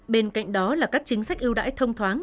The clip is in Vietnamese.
bên cạnh đó là các chính sách ưu đãi thông thoáng